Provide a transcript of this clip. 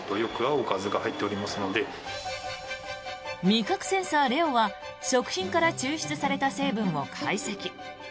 味覚センサーレオは食品から抽出された成分を解析。